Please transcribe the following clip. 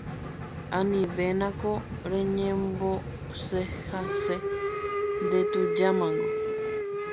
anivéna ko reñembosehace ndetujámango